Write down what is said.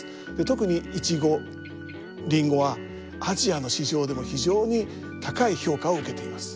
特にイチゴリンゴはアジアの市場でも非常に高い評価を受けています。